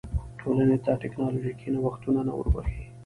ټولنې ته ټکنالوژیکي نوښتونه نه وربښي.